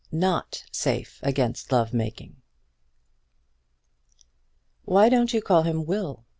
NOT SAFE AGAINST LOVE MAKING. "Why don't you call him Will?"